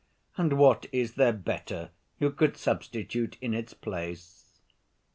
And what is there better you could substitute in its place?"